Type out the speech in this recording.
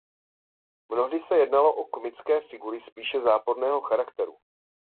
Mnohdy se jednalo o komické figury spíše záporného charakteru.